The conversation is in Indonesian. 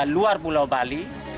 luar pulau bali